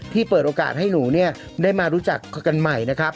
เปิดโอกาสให้หนูได้มารู้จักกันใหม่นะครับ